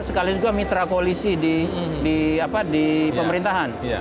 sekaligus juga mitra koalisi di pemerintahan